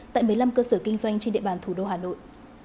tại một mươi năm cơ sở kinh doanh trên địa bàn thủ đô hà nội